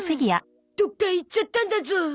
どこかいっちゃったんだゾ。